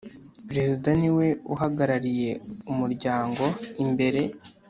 Perezida niwe uhagarariye umuryango imbere